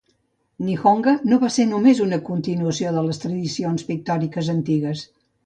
"Nihonga" no va ser només una continuació de les tradicions pictòriques antigues.